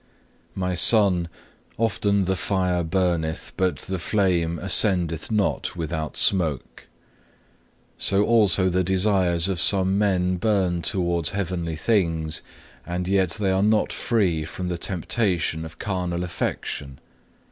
2. "My Son, often the fire burneth, but the flame ascendeth not without smoke. So also the desires of some men burn towards heavenly things, and yet they are not free from the temptation of carnal affection.